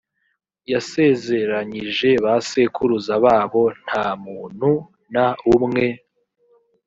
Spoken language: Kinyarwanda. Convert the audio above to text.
yasezeranyije ba sekuruza babo nta muntu n umwe